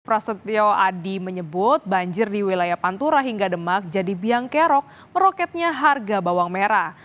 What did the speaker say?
prasetyo adi menyebut banjir di wilayah pantura hingga demak jadi biang kerok meroketnya harga bawang merah